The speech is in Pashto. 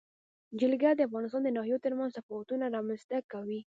جلګه د افغانستان د ناحیو ترمنځ تفاوتونه رامنځ ته کوي.